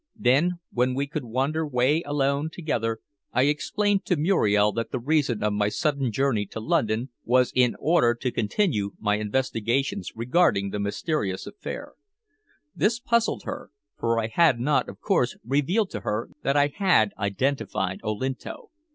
Then, when we could wander away alone together, I explained to Muriel that the reason of my sudden journey to London was in order to continue my investigations regarding the mysterious affair. This puzzled her, for I had not, of course, revealed to her that I had identified Olinto.